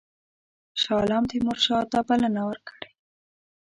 شاه عالم تیمورشاه ته بلنه ورکړې.